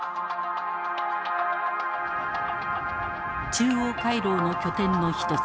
中央回廊の拠点の一つ